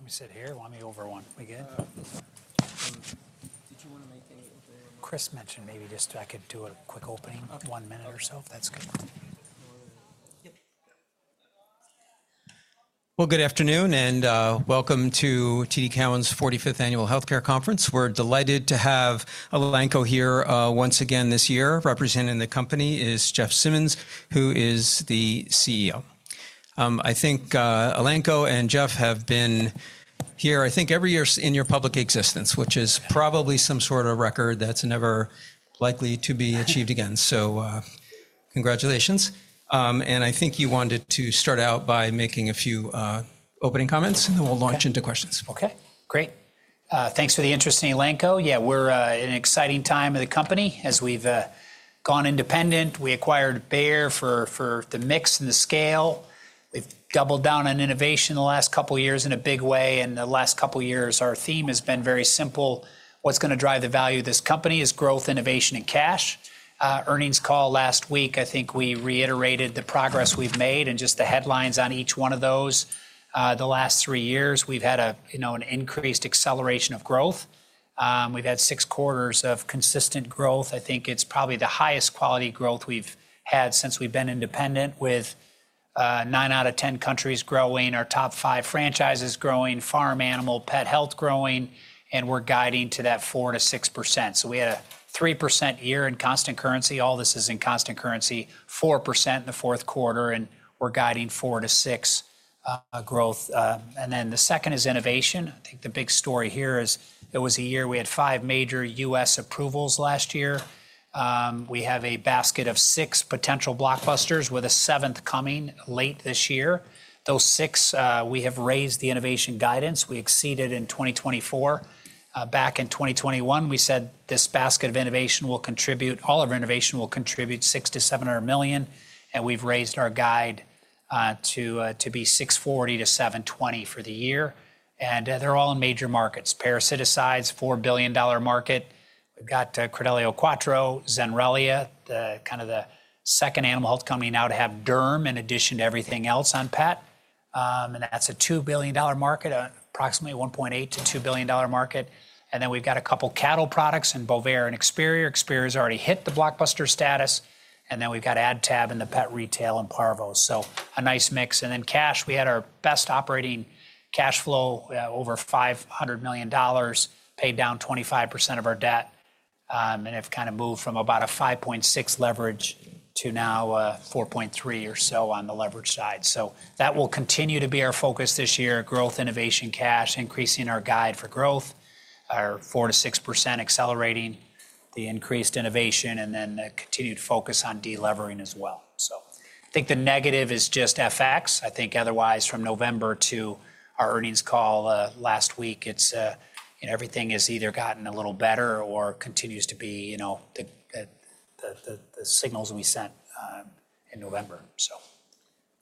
All right. Let me sit here. Why don't we over one? We good? Did you want to make any, Chris mentioned maybe just I could do a quick opening, one minute or so. That's good. Well, good afternoon and welcome to TD Cowen's 45th Annual Health Care Conference. We're delighted to have Elanco here once again this year. Representing the company is Jeff Simmons, who is the CEO. I think Elanco and Jeff have been here, I think, every year in your public existence, which is probably some sort of record that's never likely to be achieved again. So congratulations, and I think you wanted to start out by making a few opening comments, and then we'll launch into questions. Okay, great. Thanks for the interest, Elanco. Yeah, we're in an exciting time at the company. As we've gone independent, we acquired Bayer for the mix and the scale. We've doubled down on innovation the last couple of years in a big way. And the last couple of years, our theme has been very simple. What's going to drive the value of this company is growth, innovation, and cash. Earnings call last week, I think we reiterated the progress we've made. And just the headlines on each one of those, the last three years, we've had an increased acceleration of growth. We've had six quarters of consistent growth. I think it's probably the highest quality growth we've had since we've been independent, with nine out of ten countries growing, our top five franchises growing, farm animal pet health growing, and we're guiding to that 4%-6%. We had a 3% year in constant currency. All this is in constant currency, 4% in the fourth quarter, and we're guiding 4%-6% growth. The second is innovation. I think the big story here is it was a year we had five major U.S. approvals last year. We have a basket of six potential blockbusters, with a seventh coming late this year. Those six, we have raised the innovation guidance. We exceeded in 2024. Back in 2021, we said this basket of innovation will contribute all of our innovation, will contribute $600 million-$700 million. We've raised our guide to be $640 million-$720 million for the year. They're all in major markets. Parasiticides, $4 billion market. We've got Credelio Quattro, Zenrelia, kind of the second animal health company now to have derm in addition to everything else on pet. And that's a $2 billion market, approximately $1.8 billion-$2 billion market. And then we've got a couple of cattle products and Bovaer and Experior. Experior has already hit the blockbuster status. And then we've got AdTab in the pet retail and Parvo. So a nice mix. And then cash, we had our best operating cash flow, over $500 million, paid down 25% of our debt. And have kind of moved from about a 5.6 leverage to now 4.3 or so on the leverage side. So that will continue to be our focus this year, growth, innovation, cash, increasing our guide for growth, our 4%-6% accelerating the increased innovation, and then continued focus on delevering as well. So I think the negative is just FX. I think otherwise from November to our earnings call last week, everything has either gotten a little better or continues to be the signals we sent in November.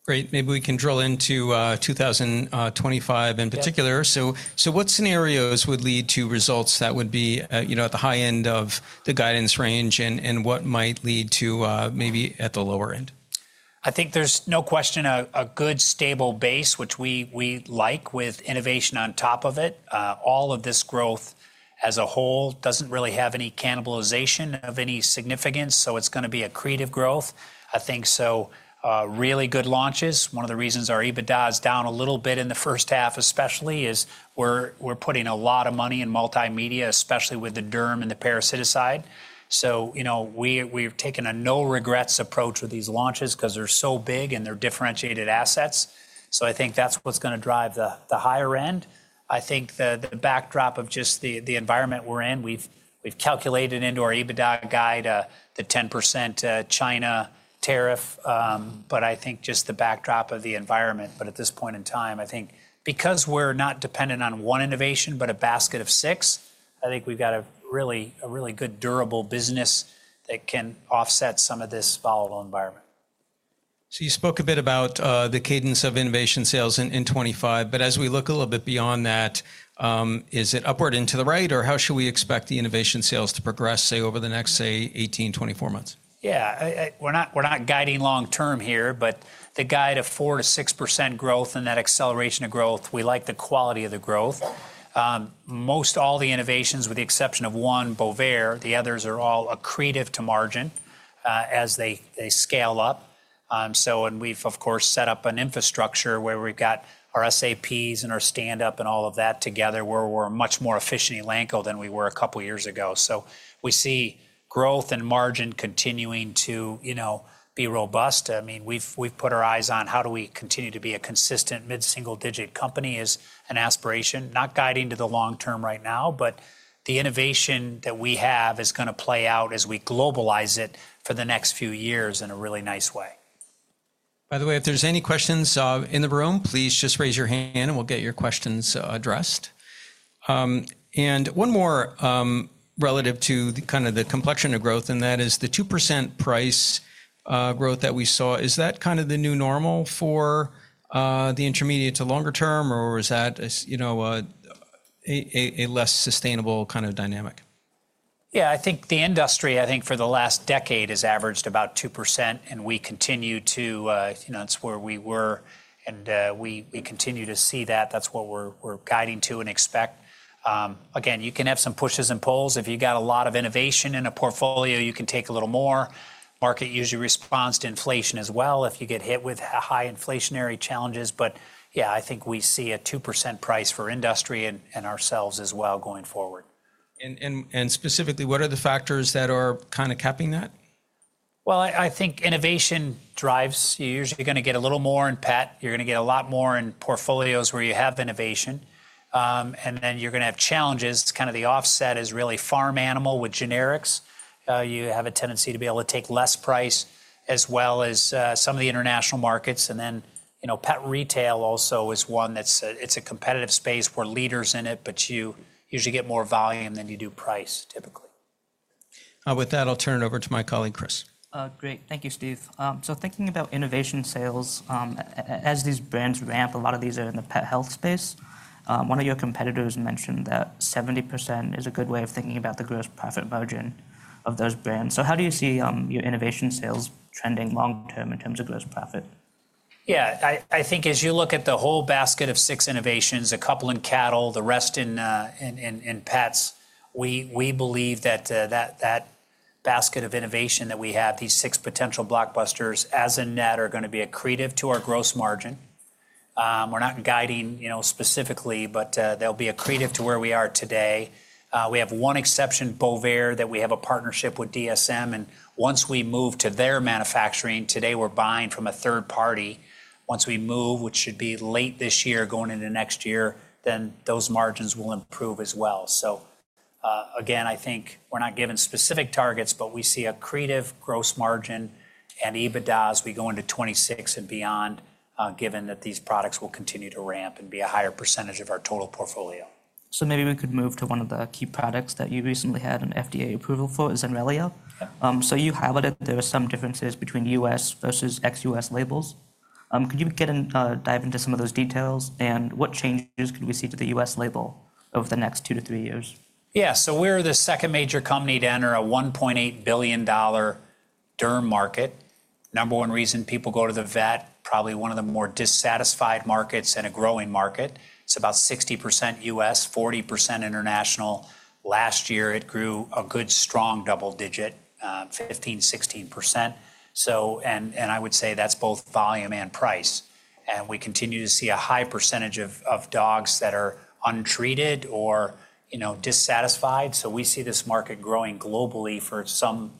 Great. Maybe we can drill into 2025 in particular. So what scenarios would lead to results that would be at the high end of the guidance range and what might lead to maybe at the lower end? I think there's no question a good stable base, which we like with innovation on top of it. All of this growth as a whole doesn't really have any cannibalization of any significance. So it's going to be accretive growth. I think some really good launches. One of the reasons our EBITDA is down a little bit in the first half, especially, is we're putting a lot of money in multimedia, especially with the derm and the parasiticide. So we've taken a no regrets approach with these launches because they're so big and they're differentiated assets. So I think that's what's going to drive the higher end. I think the backdrop of just the environment we're in, we've calculated into our EBITDA guide the 10% China tariff. But I think just the backdrop of the environment. But at this point in time, I think because we're not dependent on one innovation, but a basket of six, I think we've got a really good durable business that can offset some of this volatile environment. So you spoke a bit about the cadence of innovation sales in 2025. But as we look a little bit beyond that, is it upward and to the right, or how should we expect the innovation sales to progress, say, over the next, say, 18, 24 months? Yeah, we're not guiding long term here, but the guide of 4%-6% growth and that acceleration of growth, we like the quality of the growth. Most all the innovations, with the exception of one, Bovaer, the others are all accretive to margin as they scale up, and we've, of course, set up an infrastructure where we've got our SAPs and our stand-up and all of that together where we're much more efficient at Elanco than we were a couple of years ago, so we see growth and margin continuing to be robust. I mean, we've put our eyes on how do we continue to be a consistent mid-single digit company is an aspiration, not guiding to the long term right now, but the innovation that we have is going to play out as we globalize it for the next few years in a really nice way. By the way, if there's any questions in the room, please just raise your hand and we'll get your questions addressed. And one more relative to kind of the complexion of growth, and that is the 2% price growth that we saw. Is that kind of the new normal for the intermediate to longer term, or is that a less sustainable kind of dynamic? Yeah, I think the industry, I think for the last decade, has averaged about 2%, and we continue to, that's where we were, and we continue to see that. That's what we're guiding to and expect. Again, you can have some pushes and pulls. If you've got a lot of innovation in a portfolio, you can take a little more. Market usually responds to inflation as well if you get hit with high inflationary challenges. But yeah, I think we see a 2% price for industry and ourselves as well going forward. Specifically, what are the factors that are kind of capping that? I think innovation drives. You're usually going to get a little more in pet. You're going to get a lot more in portfolios where you have innovation. And then you're going to have challenges. Kind of the offset is really farm animal with generics. You have a tendency to be able to take less price as well as some of the international markets. And then pet retail also is one that's a competitive space. We're leaders in it, but you usually get more volume than you do price, typically. With that, I'll turn it over to my colleague, Chris. Great. Thank you, Steve. So thinking about innovation sales, as these brands ramp, a lot of these are in the pet health space. One of your competitors mentioned that 70% is a good way of thinking about the gross profit margin of those brands. So how do you see your innovation sales trending long term in terms of gross profit? Yeah, I think as you look at the whole basket of six innovations, a couple in cattle, the rest in pets, we believe that that basket of innovation that we have, these six potential blockbusters, as in net, are going to be accretive to our gross margin. We're not guiding specifically, but they'll be accretive to where we are today. We have one exception, Bovaer, that we have a partnership with DSM. And once we move to their manufacturing, today we're buying from a third party. Once we move, which should be late this year, going into next year, then those margins will improve as well. So again, I think we're not given specific targets, but we see accretive gross margin and EBITDA as we go into 2026 and beyond, given that these products will continue to ramp and be a higher percentage of our total portfolio. Maybe we could move to one of the key products that you recently had an FDA approval for, Zenrelia. You highlighted there are some differences between U.S. versus ex-U.S. labels. Could you dive into some of those details and what changes could we see to the U.S. label over the next two to three years? Yeah, so we're the second major company to enter a $1.8 billion derm market. Number one reason people go to the vet, probably one of the more dissatisfied markets and a growing market. It's about 60% U.S., 40% international. Last year, it grew a good strong double-digit 15%-16%. And I would say that's both volume and price. And we continue to see a high percentage of dogs that are untreated or dissatisfied. So we see this market growing globally for some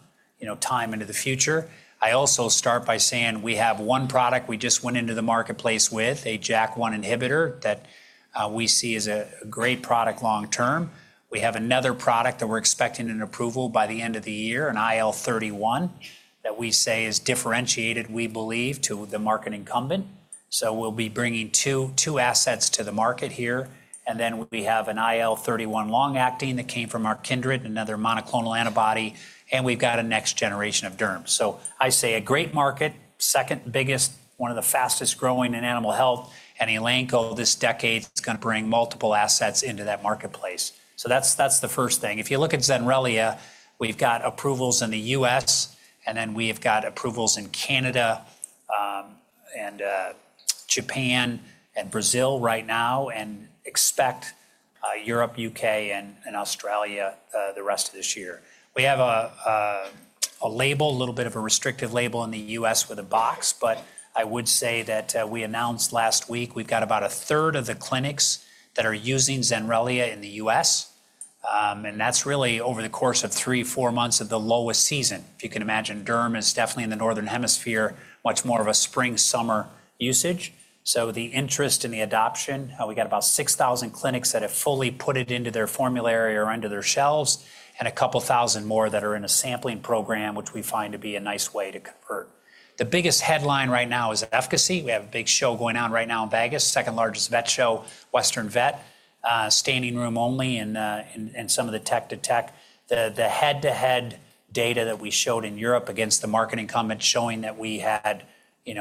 time into the future. I also start by saying we have one product we just went into the marketplace with, a JAK1 inhibitor that we see as a great product long term. We have another product that we're expecting an approval by the end of the year, an IL-31, that we say is differentiated, we believe, to the market incumbent. We'll be bringing two assets to the market here. And then we have an IL-31 long-acting that came from our Kindred, another monoclonal antibody, and we've got a next generation of derm. I say a great market, second biggest, one of the fastest growing in animal health, and Elanco this decade is going to bring multiple assets into that marketplace. That's the first thing. If you look at Zenrelia, we've got approvals in the U.S., and then we've got approvals in Canada and Japan and Brazil right now, and expect Europe, U.K., and Australia the rest of this year. We have a label, a little bit of a restrictive label in the U.S. with a box, but I would say that we announced last week we've got about a third of the clinics that are using Zenrelia in the U.S. That's really over the course of three, four months of the lowest season. If you can imagine, derm is definitely in the northern hemisphere, much more of a spring-summer usage. The interest in the adoption, we got about 6,000 clinics that have fully put it into their formulary or under their shelves, and a couple thousand more that are in a sampling program, which we find to be a nice way to convert. The biggest headline right now is efficacy. We have a big show going on right now in Vegas, second largest vet show, Western Vet, standing room only in some of the tech-to-tech. The head-to-head data that we showed in Europe against the market incumbent showing that we had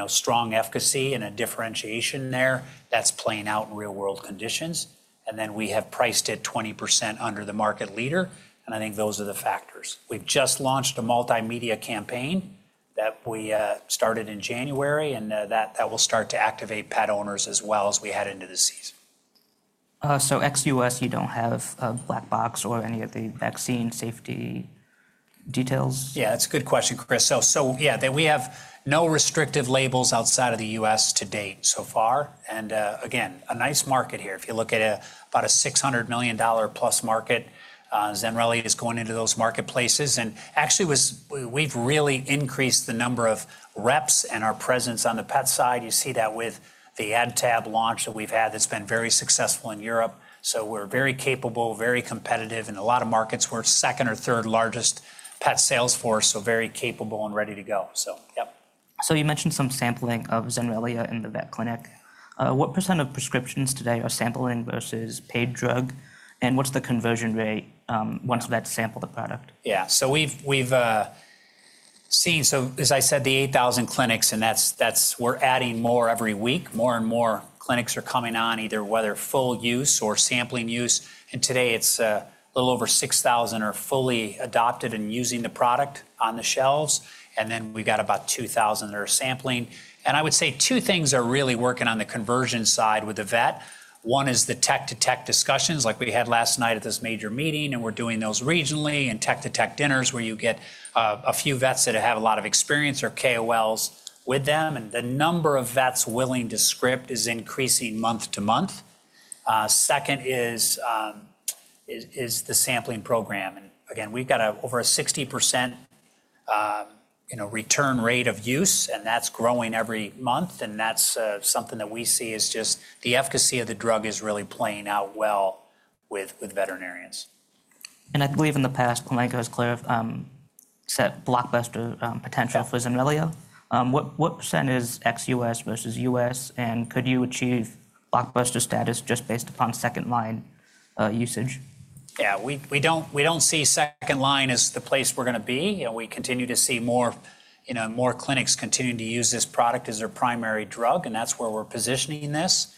strong efficacy and a differentiation there, that's playing out in real-world conditions. We have priced it 20% under the market leader. I think those are the factors. We've just launched a multimedia campaign that we started in January, and that will start to activate pet owners as well as we head into this season. So ex-U.S., you don't have a black box or any of the vaccine safety details? Yeah, that's a good question, Chris. So yeah, we have no restrictive labels outside of the U.S. to date so far. And again, a nice market here. If you look at about a $600 million+ market, Zenrelia is going into those marketplaces. And actually, we've really increased the number of reps and our presence on the pet side. You see that with the AdTab launch that we've had that's been very successful in Europe. So we're very capable, very competitive, and a lot of markets. We're second or third largest pet sales force, so very capable and ready to go. So yep. So you mentioned some sampling of Zenrelia in the vet clinic. What percent of prescriptions today are sampling versus paid drug, and what's the conversion rate once vets sample the product? Yeah, so we've seen, so as I said, the 8,000 clinics, and we're adding more every week. More and more clinics are coming on, either whether full use or sampling use. And today, it's a little over 6,000 are fully adopted and using the product on the shelves. And then we've got about 2,000 that are sampling. And I would say two things are really working on the conversion side with the vet. One is the tech-to-tech discussions like we had last night at this major meeting, and we're doing those regionally and tech-to-tech dinners where you get a few vets that have a lot of experience or KOLs with them. And the number of vets willing to script is increasing month to month. Second is the sampling program. And again, we've got over a 60% return rate of use, and that's growing every month. That's something that we see is just the efficacy of the drug is really playing out well with veterinarians. I believe in the past, Elanco has set blockbuster potential for Zenrelia. What percent is ex-U.S. versus U.S., and could you achieve blockbuster status just based upon second-line usage? Yeah, we don't see second-line as the place we're going to be. We continue to see more clinics continuing to use this product as their primary drug, and that's where we're positioning this.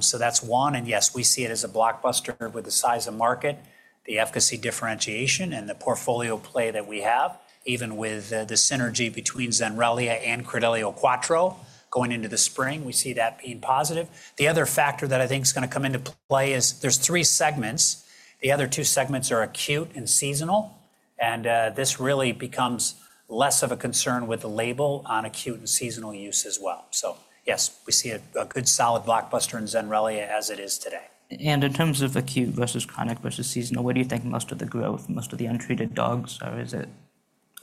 So that's one. And yes, we see it as a blockbuster with the size of market, the efficacy differentiation, and the portfolio play that we have, even with the synergy between Zenrelia and Credelio Quattro going into the spring. We see that being positive. The other factor that I think is going to come into play is there's three segments. The other two segments are acute and seasonal. And this really becomes less of a concern with the label on acute and seasonal use as well. So yes, we see a good solid blockbuster in Zenrelia as it is today. And in terms of acute versus chronic versus seasonal, what do you think most of the growth, most of the untreated dogs, or is it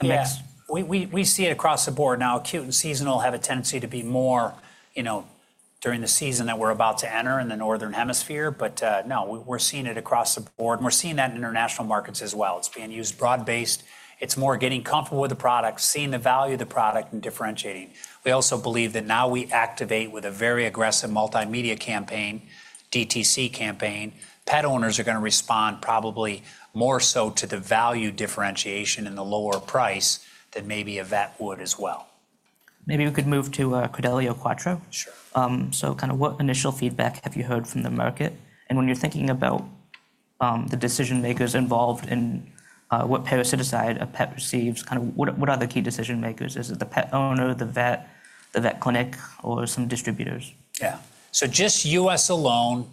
a mix? Yeah, we see it across the board now. Acute and seasonal have a tendency to be more during the season that we're about to enter in the northern hemisphere. But no, we're seeing it across the board. And we're seeing that in international markets as well. It's being used broad-based. It's more getting comfortable with the product, seeing the value of the product and differentiating. We also believe that now we activate with a very aggressive multimedia campaign, DTC campaign. Pet owners are going to respond probably more so to the value differentiation and the lower price than maybe a vet would as well. Maybe we could move to Credelio Quattro. Sure. So kind of what initial feedback have you heard from the market? And when you're thinking about the decision-makers involved in what parasiticide a pet receives, kind of what are the key decision-makers? Is it the pet owner, the vet, the vet clinic, or some distributors? Yeah, so just U.S. alone,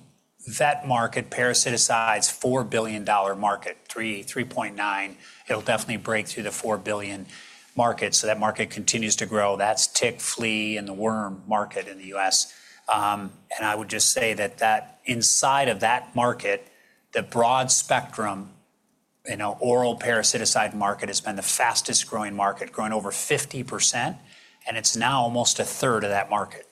vet market parasiticides, $4 billion market, $3 billion-$3.9 billion. It'll definitely break through the $4 billion market. So that market continues to grow. That's tick, flea, and the worm market in the U.S. And I would just say that inside of that market, the broad spectrum oral parasiticide market has been the fastest growing market, growing over 50%, and it's now almost a third of that market.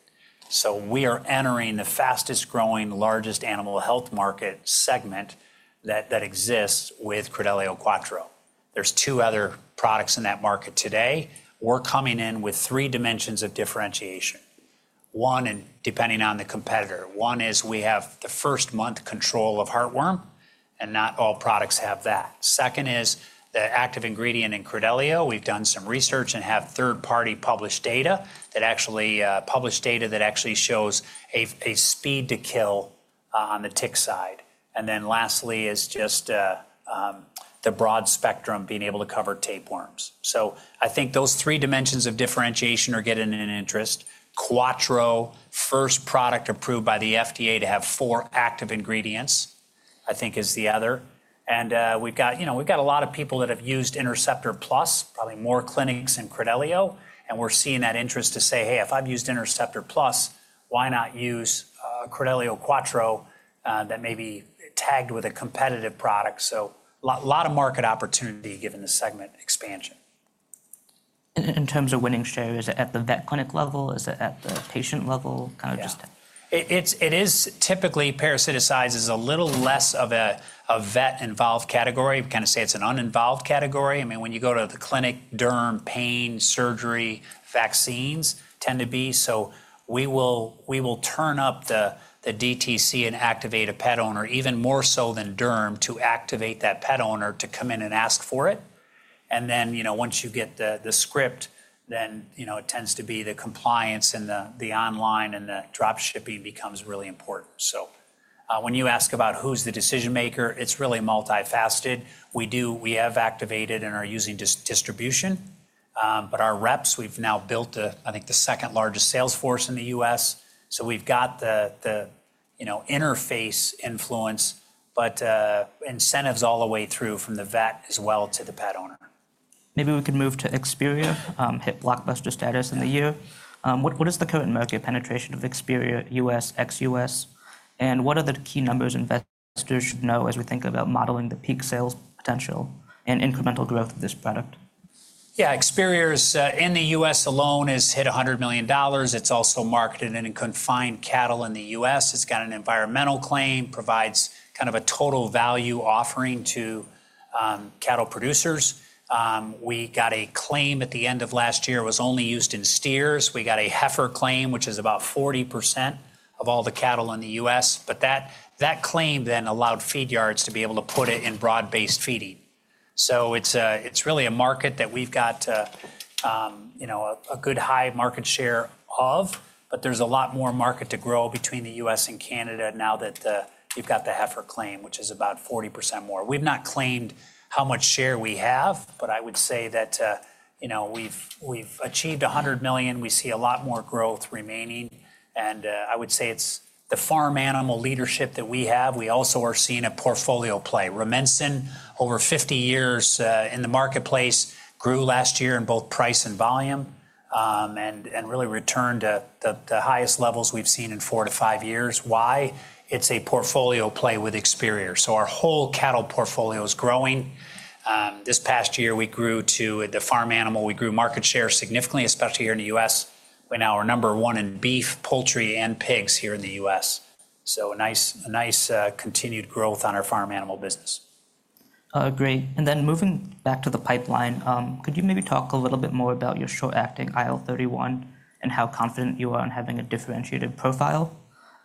So we are entering the fastest growing, largest animal health market segment that exists with Credelio Quattro. There's two other products in that market today. We're coming in with three dimensions of differentiation. One, and depending on the competitor, one is we have the first-month control of heartworm, and not all products have that. Second is the active ingredient in Credelio. We've done some research and have third-party published data that actually shows a speed to kill on the tick side. And then lastly is just the broad spectrum being able to cover tapeworms. So I think those three dimensions of differentiation are getting an interest. Credelio Quattro, first product approved by the FDA to have four active ingredients, I think is the other. And we've got a lot of people that have used Interceptor Plus, probably more clinics than Credelio. And we're seeing that interest to say, Hey, if I've used Interceptor Plus, why not use Credelio Quattro that may be tagged with a competitive product? So a lot of market opportunity given the segment expansion. In terms of winning share, is it at the vet clinic level? Is it at the patient level? Yeah, it is typically parasiticides is a little less of a vet-involved category. We kind of say it's an uninvolved category. I mean, when you go to the clinic, derm, pain, surgery, vaccines tend to be. So we will turn up the DTC and activate a pet owner, even more so than derm, to activate that pet owner to come in and ask for it. And then once you get the script, then it tends to be the compliance and the online and the dropshipping becomes really important. So when you ask about who's the decision-maker, it's really multifaceted. We have activated and are using distribution. But our reps, we've now built a, I think, the second largest sales force in the U.S. So we've got the interface influence, but incentives all the way through from the vet as well to the pet owner. Maybe we could move to Experior, hit blockbuster status in the year. What is the current market penetration of Experior, U.S., ex-U.S., and what are the key numbers investors should know as we think about modeling the peak sales potential and incremental growth of this product? Yeah, Experior in the U.S. alone has hit $100 million. It's also marketed in confined cattle in the U.S. It's got an environmental claim, provides kind of a total value offering to cattle producers. We got a claim at the end of last year was only used in steers. We got a heifer claim, which is about 40% of all the cattle in the U.S. But that claim then allowed feed yards to be able to put it in broad-based feeding. So it's really a market that we've got a good high market share of, but there's a lot more market to grow between the U.S. and Canada now that you've got the heifer claim, which is about 40% more. We've not claimed how much share we have, but I would say that we've achieved $100 million. We see a lot more growth remaining. I would say it's the farm animal leadership that we have. We also are seeing a portfolio play. Rumensin, over 50 years in the marketplace, grew last year in both price and volume and really returned to the highest levels we've seen in four to five years. Why? It's a portfolio play with Experior. So our whole cattle portfolio is growing. This past year, we grew the farm animal. We grew market share significantly, especially here in the U.S. We're now number one in beef, poultry, and pigs here in the U.S. So a nice continued growth on our farm animal business. Great. And then moving back to the pipeline, could you maybe talk a little bit more about your short-acting IL-31 and how confident you are in having a differentiated profile?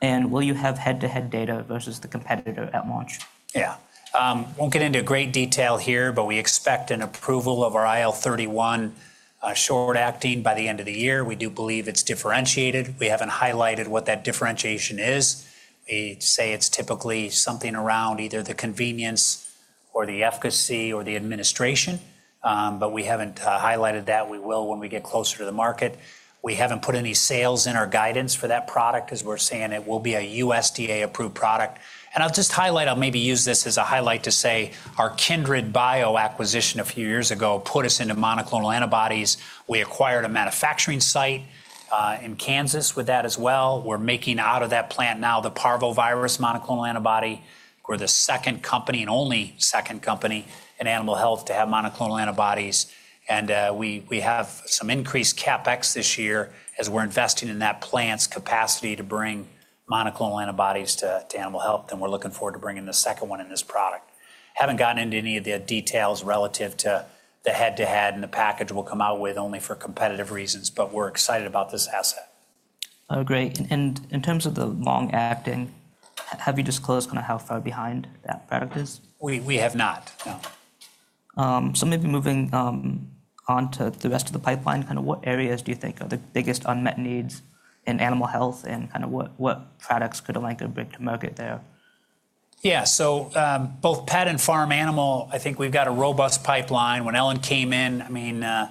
And will you have head-to-head data versus the competitor at launch? Yeah, we won't get into great detail here, but we expect an approval of our IL-31 short-acting by the end of the year. We do believe it's differentiated. We haven't highlighted what that differentiation is. We say it's typically something around either the convenience or the efficacy or the administration, but we haven't highlighted that. We will when we get closer to the market. We haven't put any sales in our guidance for that product as we're saying it will be a USDA-approved product, and I'll just highlight. I'll maybe use this as a highlight to say our KindredBio acquisition a few years ago put us into monoclonal antibodies. We acquired a manufacturing site in Kansas with that as well. We're making out of that plant now the parvovirus monoclonal antibody. We're the second company and only second company in animal health to have monoclonal antibodies. We have some increased CapEx this year as we're investing in that plant's capacity to bring monoclonal antibodies to animal health. We're looking forward to bringing the second one in this product. Haven't gotten into any of the details relative to the head-to-head and the package we'll come out with only for competitive reasons, but we're excited about this asset. Great. And in terms of the long-acting, have you disclosed kind of how far behind that product is? We have not, no. Maybe moving on to the rest of the pipeline, kind of what areas do you think are the biggest unmet needs in animal health and kind of what products could Elanco bring to market there? Yeah, so both pet and farm animal, I think we've got a robust pipeline. When Ellen came in, I mean, a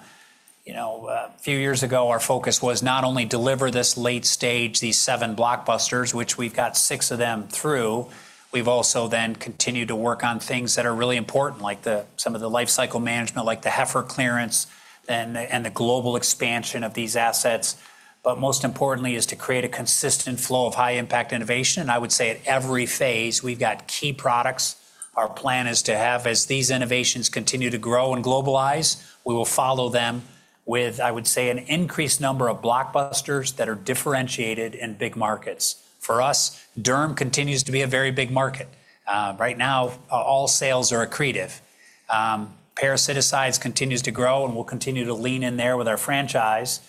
few years ago, our focus was not only to deliver this late stage, these seven blockbusters, which we've got six of them through. We've also then continued to work on things that are really important, like some of the life cycle management, like the heifer clearance and the global expansion of these assets. But most importantly, is to create a consistent flow of high-impact innovation. And I would say at every phase, we've got key products. Our plan is to have as these innovations continue to grow and globalize, we will follow them with, I would say, an increased number of blockbusters that are differentiated in big markets. For us, derm continues to be a very big market. Right now, all sales are accretive. Parasiticides continues to grow, and we'll continue to lean in there with our franchise.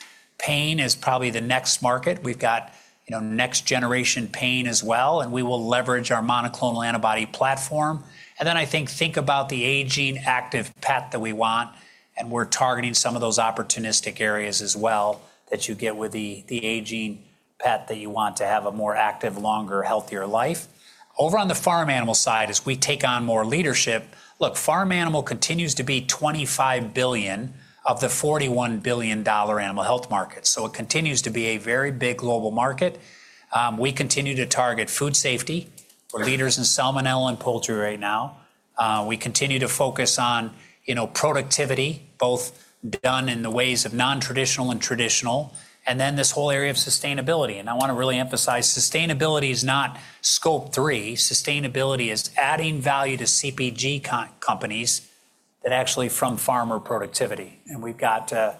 Pain is probably the next market. We've got next-generation pain as well, and we will leverage our monoclonal antibody platform. And then I think about the aging active pet that we want, and we're targeting some of those opportunistic areas as well that you get with the aging pet that you want to have a more active, longer, healthier life. Over on the farm animal side, as we take on more leadership, look, farm animal continues to be $25 billion of the $41 billion animal health market. So it continues to be a very big global market. We continue to target food safety. We're leaders in salmonella and poultry right now. We continue to focus on productivity, both done in the ways of non-traditional and traditional, and then this whole area of sustainability. I want to really emphasize sustainability is not Scope 3. Sustainability is adding value to CPG companies that actually from farmer productivity. We've got a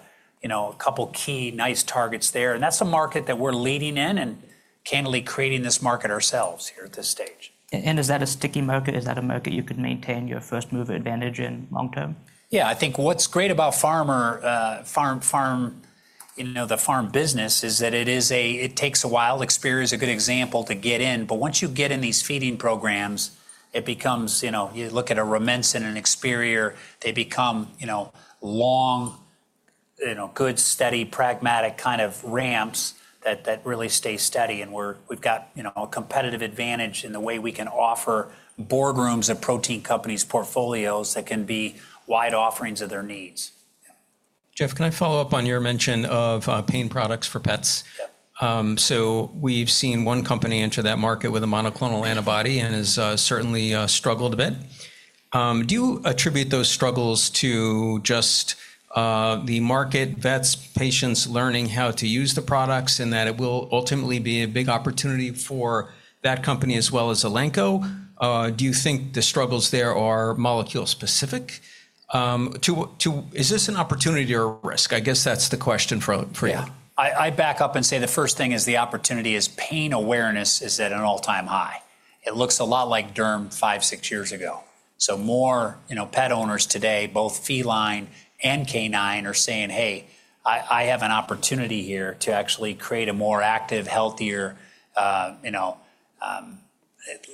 couple of key nice targets there. That's a market that we're leading in and candidly creating this market ourselves here at this stage. Is that a sticky market? Is that a market you could maintain your first mover advantage in long-term? Yeah, I think what's great about farm business is that it takes a while. Experior is a good example to get in. But once you get in these feeding programs, it becomes you look at a Rumensin and Experior, they become long, good, steady, pragmatic kind of ramps that really stay steady. And we've got a competitive advantage in the way we can offer boardrooms of protein companies' portfolios that can be wide offerings of their needs. Jeff, can I follow up on your mention of pain products for pets? Yeah. So we've seen one company enter that market with a monoclonal antibody and has certainly struggled a bit. Do you attribute those struggles to just the market, vets, patients learning how to use the products and that it will ultimately be a big opportunity for that company as well as Elanco? Do you think the struggles there are molecule-specific? Is this an opportunity or a risk? I guess that's the question for you. Yeah, I back up and say the first thing is the opportunity is pain awareness is at an all-time high. It looks a lot like derm five, six years ago. So more pet owners today, both feline and canine, are saying, Hey, I have an opportunity here to actually create a more active, healthier,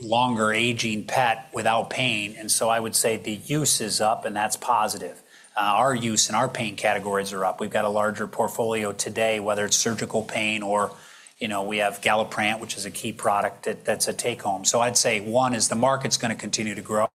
longer-aging pet without pain. And so I would say the use is up, and that's positive. Our use and our pain categories are up. We've got a larger portfolio today, whether it's surgical pain or we have Galliprant which is a key product that's a take home. So I'd say one is the market's going to continue to grow.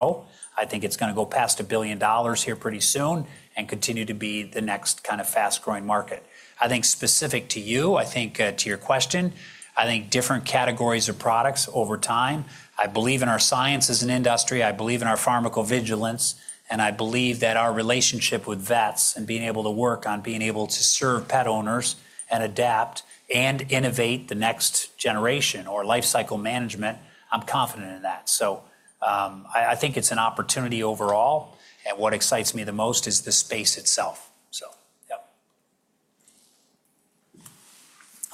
I think it's going to go past $1 billion here pretty soon and continue to be the next kind of fast-growing market. I think, specific to you, I think to your question, I think different categories of products over time. I believe in our science as an industry. I believe in our pharmacovigilance, and I believe that our relationship with vets and being able to work on being able to serve pet owners and adapt and innovate the next generation or life cycle management. I'm confident in that. So I think it's an opportunity overall, and what excites me the most is the space itself. So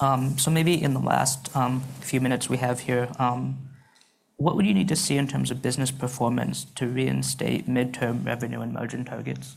yeah. Maybe in the last few minutes we have here, what would you need to see in terms of business performance to reinstate midterm revenue and margin targets?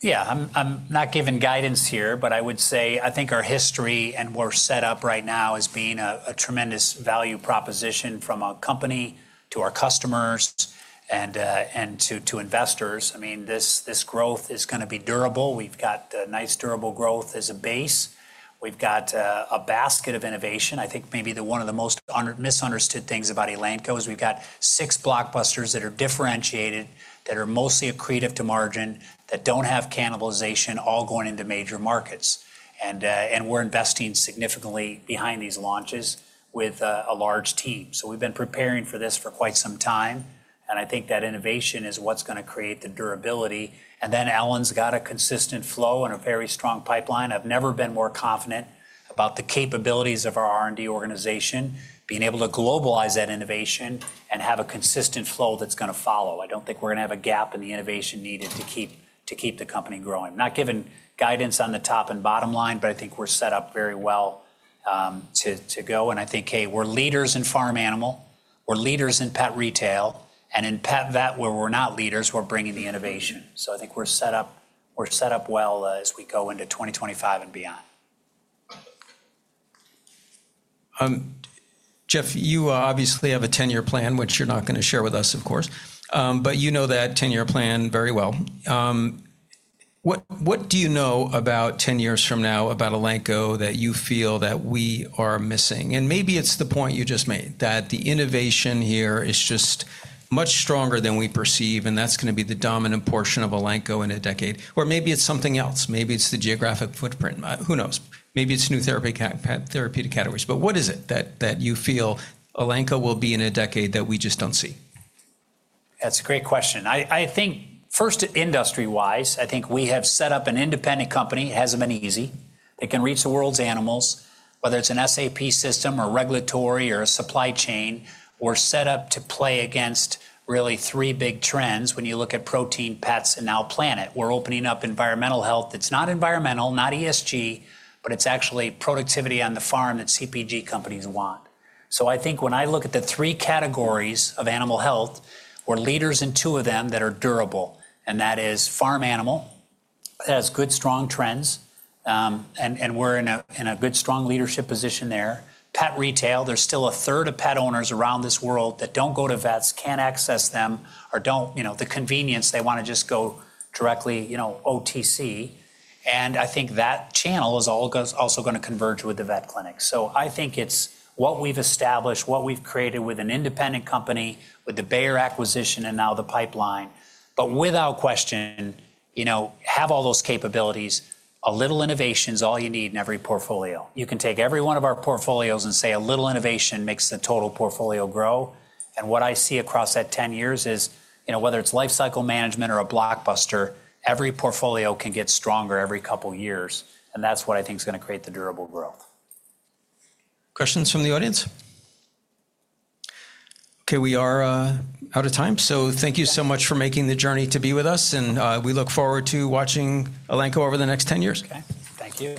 Yeah, I'm not giving guidance here, but I would say I think our history and we're set up right now as being a tremendous value proposition from our company to our customers and to investors. I mean, this growth is going to be durable. We've got nice durable growth as a base. We've got a basket of innovation. I think maybe one of the most misunderstood things about Elanco is we've got six blockbusters that are differentiated, that are mostly accretive to margin, that don't have cannibalization, all going into major markets. And we're investing significantly behind these launches with a large team. So we've been preparing for this for quite some time. I think that innovation is what's going to create the durability. Then Elanco got a consistent flow and a very strong pipeline. I've never been more confident about the capabilities of our R&D organization, being able to globalize that innovation and have a consistent flow that's going to follow. I don't think we're going to have a gap in the innovation needed to keep the company growing. I'm not giving guidance on the top and bottom line, but I think we're set up very well to go. And I think, hey, we're leaders in farm animal. We're leaders in pet retail. And in pet vet, where we're not leaders, we're bringing the innovation. So I think we're set up well as we go into 2025 and beyond. Jeff, you obviously have a 10-year plan, which you're not going to share with us, of course, but you know that 10-year plan very well. What do you know about 10 years from now about Elanco that you feel that we are missing? And maybe it's the point you just made, that the innovation here is just much stronger than we perceive, and that's going to be the dominant portion of Elanco in a decade. Or maybe it's something else. Maybe it's the geographic footprint. Who knows? Maybe it's new therapeutic categories. But what is it that you feel Elanco will be in a decade that we just don't see? That's a great question. I think first, industry-wise, I think we have set up an independent company. It hasn't been easy. They can reach the world's animals, whether it's an SAP system or regulatory or a supply chain or set up to play against really three big trends. When you look at protein, pets, and now planet, we're opening up environmental health. It's not environmental, not ESG, but it's actually productivity on the farm that CPG companies want. So I think when I look at the three categories of animal health, we're leaders in two of them that are durable. And that is farm animal. It has good, strong trends, and we're in a good, strong leadership position there. Pet retail, there's still a third of pet owners around this world that don't go to vets, can't access them, or the convenience. They want to just go directly OTC. And I think that channel is also going to converge with the vet clinics. So I think it's what we've established, what we've created with an independent company, with the Bayer acquisition and now the pipeline. But without question, have all those capabilities. A little innovation is all you need in every portfolio. You can take every one of our portfolios and say a little innovation makes the total portfolio grow. And what I see across that 10 years is whether it's life cycle management or a blockbuster, every portfolio can get stronger every couple of years. And that's what I think is going to create the durable growth. Questions from the audience? Okay, we are out of time. So thank you so much for making the journey to be with us. And we look forward to watching Elanco over the next 10 years. Okay, thank you.